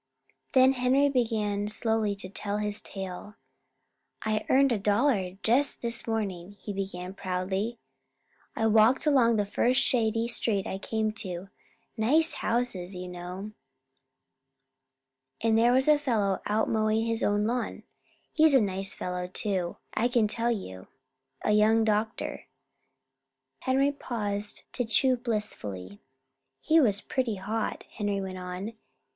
Then Henry began slowly to tell his tale. "I earned a dollar just this morning," he began proudly. "I walked along the first shady street I came to nice houses, you know. And there was a fellow out mowing his own lawn. He's a nice fellow, too, I can tell you a young doctor." Henry paused to chew blissfully. "He was pretty hot," Henry went on.